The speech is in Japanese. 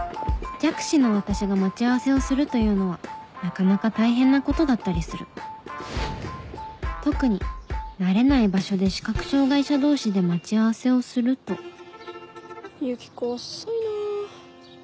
弱視の私が待ち合わせをするというのはなかなか大変なことだったりする特に慣れない場所で視覚障がい者同士で待ち合わせをするとユキコ遅いな。